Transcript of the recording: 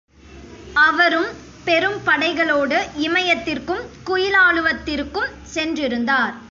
அவரும் பெரும் படைகளோடு இமயத்திற்கும் குயிலாலுவத்திற்கும் சென்றிருந்தார்.